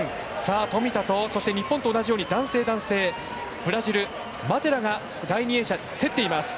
富田と、日本と同じ男性、男性ブラジル、マテラが第２泳者、競っています。